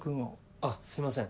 あっすいません